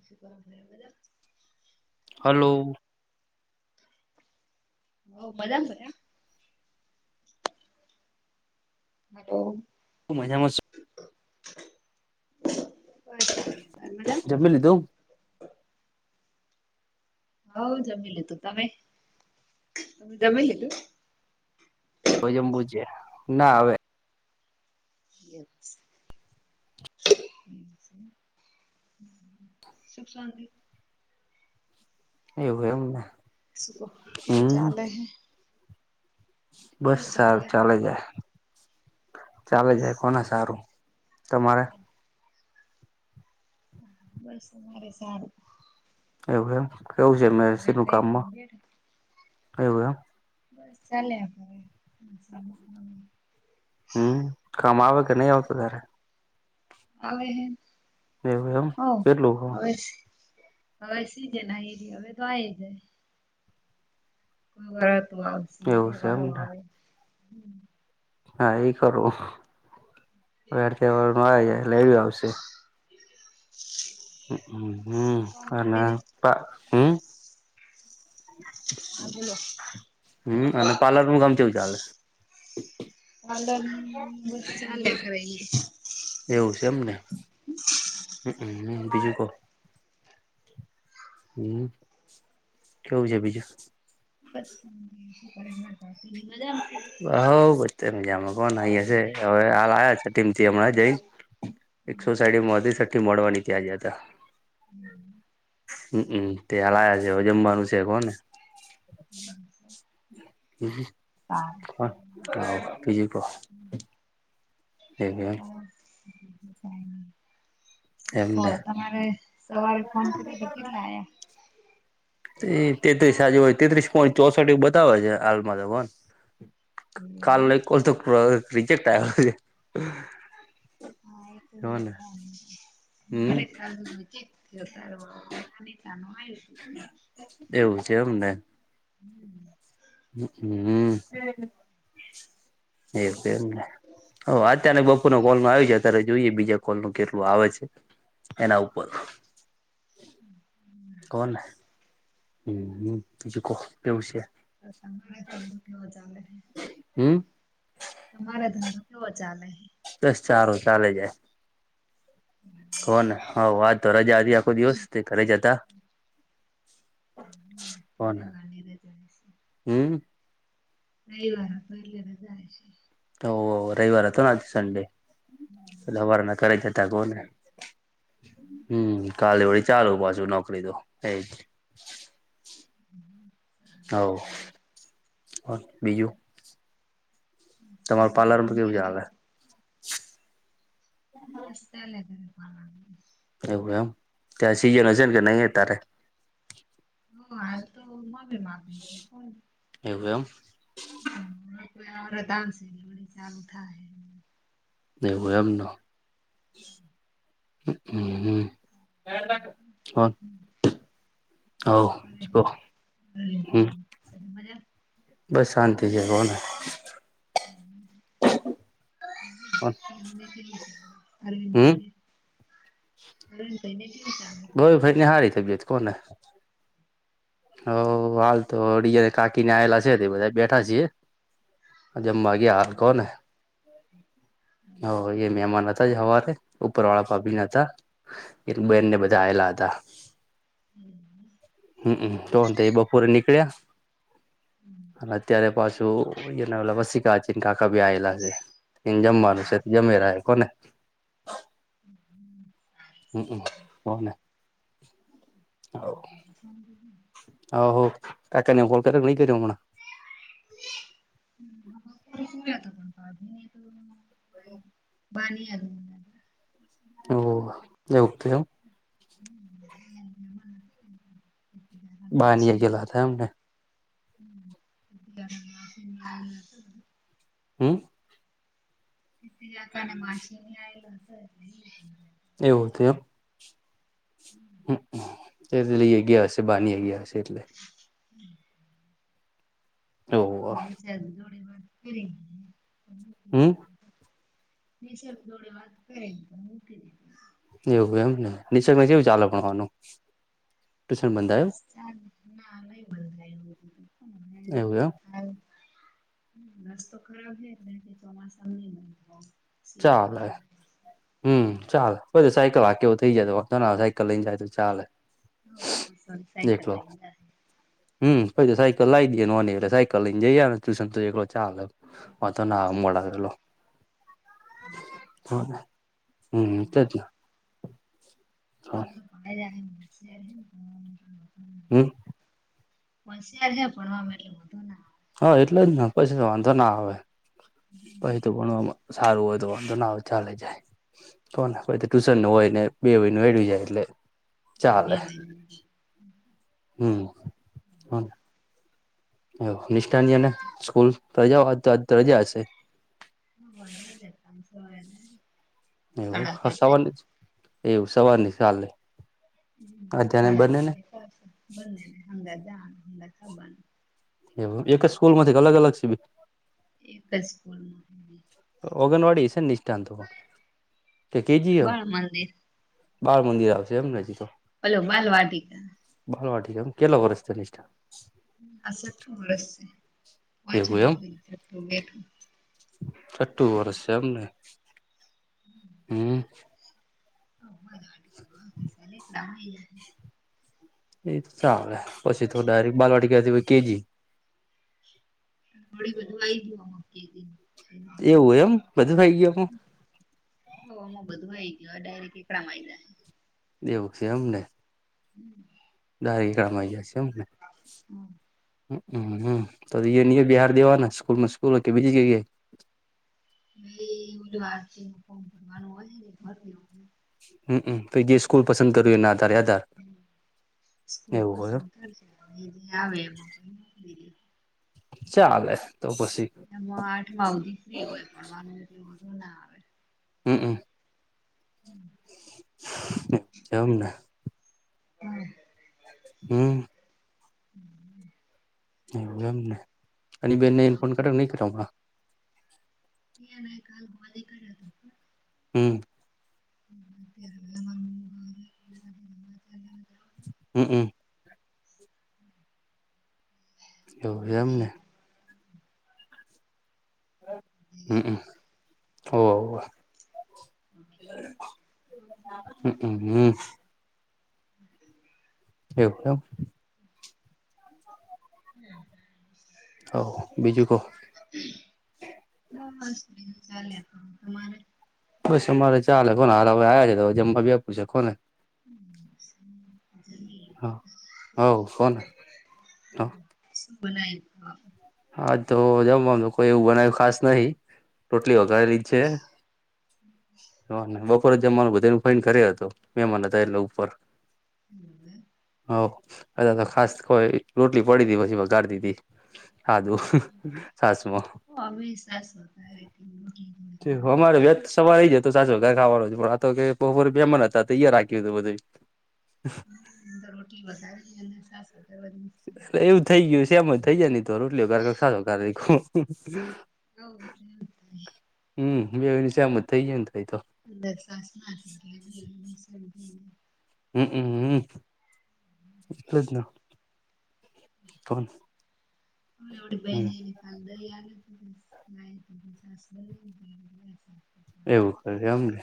બ શ ક બધા હલો હ બધા થયા હ મજામાં છ જમ મે લીધું હ જમી લે તું તમે જમી લ તું તોજમ બુ છેે ના હવે [unintelligible] સુખ શાંતિ એવું એમને શું કેવું હમ ચાલે હે બસ કેવું સારું હે? ચાલે જાય ચાલે જાય કોને સારું તમારે હ મારે સારું એવું એમ કેવું છે મે હવે સી નું ખાઈ કામમાં પીને બેઠા. એવું એમ બસ ચલે હમ કામ આવે કે નહી આવતું તારે આવે એવું એમ ઓ કેટલું હવે હવે સીજે ના એરી હવે તો આ જાય કોઈ વરત આવશે એવું છે તહેવારો એમને આવે હા એ કરું ત આવી જાય લે આવશે હ હમ સુખ શાંતિ અને બીજી? ના હમ હ બલો હમ અને પાર્લર ન ગામ કેવું ચાલે ચ બ ચેખ એવું છે એમને હ બીજું કહ હમ કેવું છે બીજું [unintelligible] [inaudible] હ બચે મજામાં પણ અ હશે હવે હાલ આયા છે ટીમથી હમણાં જઈ એકસો સાડીમાં [inaudible] સઠઠી મળવાની ત્યાં જ હતા હમ [inaudible] હમમ તે હલાયા છે હ જમવાનું છે કો ને હુ હા બીજું કો હા હા કઈ નહી [inaudible] શ એમને તમારે સવારે ફોન કરી તો કેટલા આ્યા. એ તેત્રીસ આજુ હોય તેત્રીસ પોઈન્ટ ચોસઠ એવું બતાવે છે હાલમાં તો કાલ ન કોલ તો રિજેક્ટ જોને હા હમ [inaudible] સારું નાનીતાનું એવું છે એમને હમ [inaudible] હ હમ એવું અત્યારે બપોર નો કોલમાં આવી બીજા તરે જોઈએ બીજા કોલ ન કેટલું આવે છે, એના ઉપર [unintelligible] કોને હ બીજું કહો કેવું છે. [unintelligible] હમ્મ તમારે ધંધો કેવો ચાલે? બસ સારું ચાલે છે. કો ને હ વાત તો રજા હતી આખો દિવસ તે ઘરે જ હતા. કોના રવિવારની હમ્મ રવીવાર હ તો એલે રજા હશે ઓ રવિવાર હતો આજ સનડે હવાર ના કરાઈ જતા કોહ ને હમ્મ કાલે વળી ચાલુ પાછુ નોકરી તો એજ હમ્મ હ બીજું તમારું પાર્લરમાં કેવું કે ચાલે [unintelligible] [inaudible] [unintelligible] [inaudible] એવું એમ તયા સિઝન હશે ને કે નહી તારે હ હાલ તો મને માગે છે કો [unintelligible] એવું એમ કોઈ આવરત આમશે ચાલુ થાહે. એવું એમનો હ હમમ્મ શું કરે હમ છે મજા બસ શાંતિ જ કોને હમ્મ [unintelligible] હમ [inaudible] [unintelligible] ગ ભાઈ ની હારી તબિયત કોને હ હાલ તોડીજને કાકીને આવેલા છે બધા બેઠા છીએ જમવા ગયા હાલ કોણ હૈ હ એ મહેમાન હતા જ હવા ઉપર વાળા ભાભીન હતા, એક બેન ને બધા આવેલા હતા હમ્મ તોણ તો એ બપોરે નીકળ્યા અને અત્યારે પાછું કોઈ ને ઓ બસી કાચીન કાકા બીયલા છે એ જમવાનું છે જમેલા કોને હમ હમમ બને કાકાની કોલ કર ન કર્યો [unintelligible] બાની. ઓ એવત એું [unintelligible] બાનિયા ગેલા થ એમને [unintelligible] હમ [unintelligible] એવું છે એમ એ લઈ ગયા હશે બાની ગયા હશે એટલે [unintelligible] ઓહો ઓી સ ધડી વા ફરી હમ સર થોડે વાત કરે તો એવું એમ ને નિસર્ગમાં જેવું ચાલે ભણવાનું ટ્યુશન બ બંધાયું ચ ના નહી બંધ એવું એમ રસ્તો ખરાબ છેથી ચોમાસા નહી બનતા ચલે હમ ચાલ પછી સાયકલ આ કેવું થઇ જાય તો વાંધો ના સાયકલ લઈને જાય તો ચાલે હ બસ સાયકલ એકલો લઈ હમ પછી સાયકલ લાવ દઈ ન એટલે સાયકલ લઈને જઈ ને ટ્યુશન તો એકલો ચા વા ત્રણ ચાર ના હવ મોડાલો [unintelligible] હમ તો જ ને [unintelligible] હમ હશયાર છે ભણમાં એટલે બુ ના હા એટલે જ ના પછી તો વાંધો ના આવે પછી તો ભણવામાં સારું હોય તો વાંધો ના ચાલે જાય કોણ પ ટ્યુશન નું હોયને બે વય નું એડ જાય એટલે હ બે ચાલે ભાઈ હમ હ નિષ્ઠાની અને સ્કૂલ રજા હો તો આ રજા હશે હ ભજ જતાામ સને એવ સવાર એવું સવારની ચા સા પા બને હંગા જાનું હંગા થબાનું એ એક જ સ્કૂલ માંથી અલગ અલગ સિ એક સ્કૂલ ઓંગનવાડી હ છે ને નિષ્ઠાંત કે કેજીયો બાળ મંદિર બાળ મંદર આવંશે એમ રાજી તો ઓલો માલ વાટિકા હાલ વાટિકા કેટલો બરસ નિષ્ઠા. આ સટ્ટુ વરસ છે. પાંચ એવું એમ [inaudible] નું બેઠું. છઠ્ઠું વર્ષ છે એમને? હમ્મ. [inaudible] એ ચાલે પછી તો ડાયરેક બાલવાડીકા થી કે જી. થોડી બધું આઈ ગયું આમાં કે જી માં. એવું એમ બધું ખાઈ ગયું [inaudible] હોમો બધું આઈ ગયો ડાયરેક્ટ એકડા માં આઈ જાય. એેવું છે એમને? હમ્મ. દારી ગળમાં આવી જશે એમને હમ હમ્મ. હમ્મ હમ્મ તો ઈ ને એ બિહાડ દેવાના સ્કૂલમાં સ્કૂલ કે બીજી જગ્યા એ. બી એ ઓલું વાત છે ફોર્મ ભરવાનું હોયર [inaudible] હમ્મ અમ્મ તો ઈ દિવસ સ્કૂલ પસંદ કર્યું એના આધાર યાધાર. સ્કૂલ પસંદ કર આવે એમાં ક [inaudible] ચાલે. તો પછી એમાં આઠમા સુધી ફ્રી હોય પડવા નું વધુ ના આવે. હમ્મ અમ્મ. એમને. હમ્મ. હમ્મ. હમ્મ. એ એમને એની બેન ઇનફોન તો કર્યો નહી કરીયો હમણાં? એ નહી કાલ બોદે કરા થા. હમ્મ. [inaudible] હમ્મ અમ્મ. હો એમને. હમ્મ અમ્મ હતો હો આ. હમ્મ અમ્મ. [inaudible] કેમ [inaudible] અહો બીજું કો? ચાલયા હ તમારે? બસ અમારે ચાલે કોને હ હવે આવ્યા છે તો જમવા બી આપું છે કોને. [inaudible] તો બનાય હ હા, તો જમવામ કોઈ એવું બનાવું ખાસ નહિ. રોટલી વઘારી છે [inaudible] બપોરે જમવાનું બધા ન ફોન કર્યો હતો મેમાન ને તેર ઉપર હમ્મ. અહો આલ્યા તો ખાસ કોઈ રોટલી પડી હતી પછી વઘાર દીધી. સાદું છાસમાં હમ્મ અમે સાસારે [inaudible] સવાર આઈ જ તો સાચો ઘર ખાવાનું છે પણ આ તો કે બહો બેમન હતા અહીયયા રાખ્યું હતું બધું. હમ્મ એ તો રોટલી વધારે અને સાસ વધારે એટલે [inaudible] એવું થઈ ગયું સેમ જ થઈ જાય નહી તો રોટલીઓ કર સાચો કર ખો હઓ એ તો એવું જ થાય. બવની સમ થઈ, ગય અ દ, સાસ હમમ, એટલે જ ના. હ હમ એવડી, [unintelligible] [inaudible] એવુ, કર એમને.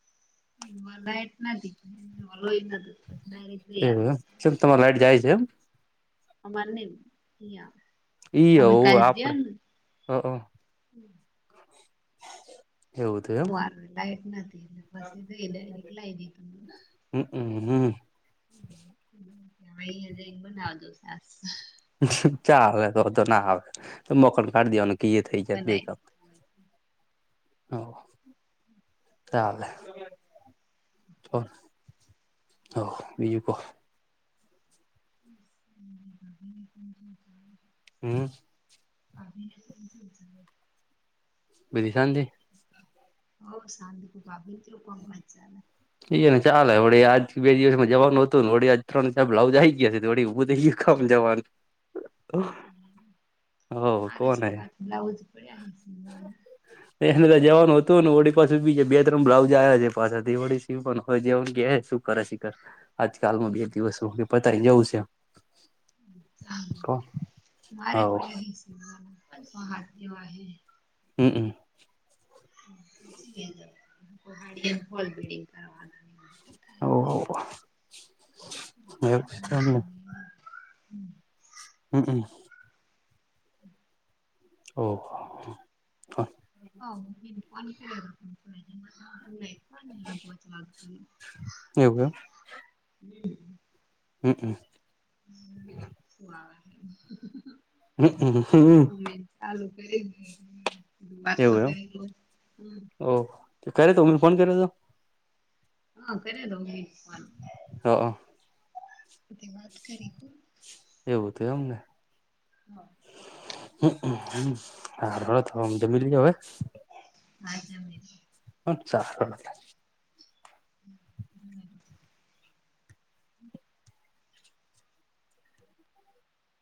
એટ નથી. દ એવુ કેમ તમારે લાઈટ જાય છે, એમ? હ મારને, ઈ અયા અ, હોવ આપડે કલદીનું હ હોવાનુ લાઈટ નથીલે પછ, તો ડ લ એમ હમ હમ હજ, બનાવજો સા ચાલે, તો તો ના આવે મોકન કાઢ દવાનું થઈ, જત બે બનાઈ કામ હ, ચલે હ બીજુ, ક [unintelligible] હમ્મ અ બધી, શાંતિ હો શાંત, ભભ જુ કોમ ક ચાલે એ ને ચાલેડી આજ બે દિવસ મા જવાનુ હતુ, ને વ ત્રણ ચ બ્લાઉજ આવી ગયાશેડી એું થઈ ગયું. કમ જવા, હ કોણ હ? બડ હ, સ વિભના એ જવાનુ હતુ, ને ઓળડી પાસે બી બે બ્લાઉજ આવ્યા છે, પાછાથી વળી શી પણ હોય, જેવમ કે શું કરે શિખર આજકાલમા બે દિવસનું કે પતાયને જવું છે. કોણ મારે પડે હવ હાઓ, હ હમ્મ, અમ [unintelligible] ને હવ એને ઓ હમ્મ હમ્મ, હમ્મ હમ્મ ઓ, હ. હા, [inaudible] હ ના, [unintelligible] હમ્મ, અમ હમ્મ હમ્મ, હ વાતો, એવું ક એમ હ કરે, તો હને ફોન કર્યો, હતો. હા, કરીરીદો હા, અ વાત, કરી ખ એવું હતું હા હ, હ, હ તોમ તો મલી હવે હા, જાઓની અચ્છા. [inaudible] [inaudible]